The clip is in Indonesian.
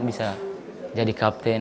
bisa jadi kapten